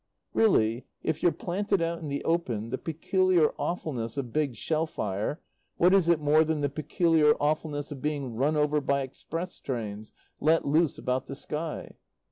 Really, if you're planted out in the open, the peculiar awfulness of big shell fire what is it more than the peculiar awfulness of being run over by express trains let loose about the sky?